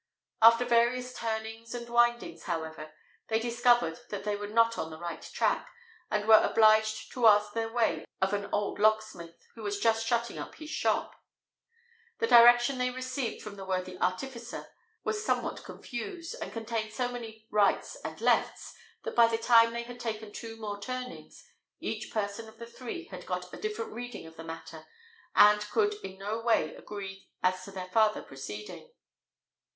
After various turnings and windings, however, they discovered that they were not on the right track, and were obliged to ask their way of an old locksmith, who was just shutting up his shop. The direction they received from the worthy artificer was somewhat confused, and contained so many rights and lefts, that by the time they had taken two more turnings, each person of the three had got a different reading of the matter, and could in no way agree as to their farther proceeding.